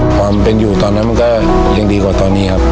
ความเป็นอยู่ตอนนั้นมันก็ยังดีกว่าตอนนี้ครับ